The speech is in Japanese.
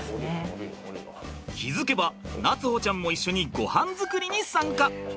気付けば夏歩ちゃんも一緒にごはん作りに参加。